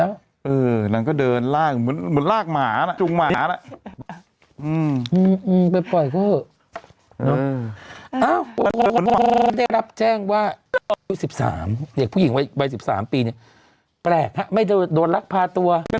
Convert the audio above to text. อันนี้ห่างนะใช่ไหมดึงห่าง